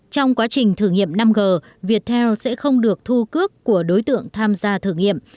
trong quá trình thử nghiệm năm g viettel sẽ không được thu cước của đối tượng tham gia thử nghiệm